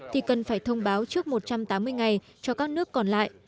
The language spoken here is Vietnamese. thì cần phải thông báo trước một trăm tám mươi ngày cho các nước còn lại